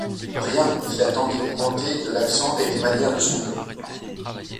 Rien, dit la tante épouvantée de l’accent et des manières de son neveu.